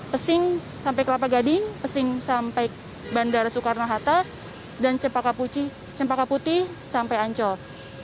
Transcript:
pesing sampai kelapa gading pesing sampai bandara soekarno hatta dan cempaka putih sampai ancol